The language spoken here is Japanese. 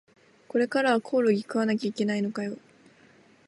これからはコオロギ食わなきゃいけないのかよ